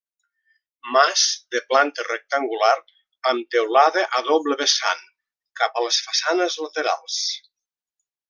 Mas de planta rectangular amb teulada a doble vessant cap a les façanes laterals.